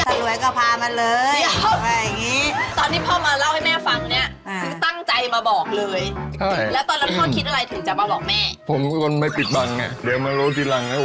ถ้ารวยก็พามาเลยอย่างนี้